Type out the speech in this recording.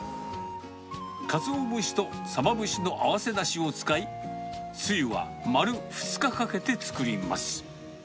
カツオ節とサバ節の合わせだしを使い、つゆは丸２日かけて作ります。